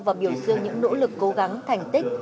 và biểu dương những nỗ lực cố gắng thành tích